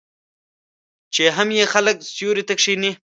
چې هم یې خلک سیوري ته کښیني.